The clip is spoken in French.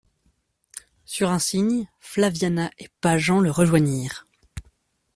Sur un signe, Flaviana et Pageant la rejoignirent.